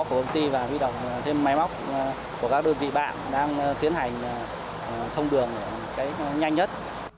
công ty và vi động thêm máy móc của các đơn vị bạn đang tiến hành thông đường nhanh nhất